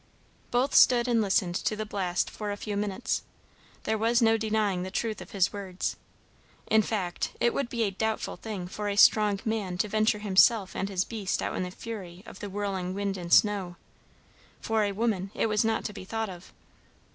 Both stood and listened to the blast for a few minutes. There was no denying the truth of his words. In fact, it would be a doubtful thing for a strong man to venture himself and his beast out in the fury of the whirling wind and snow; for a woman, it was not to be thought of.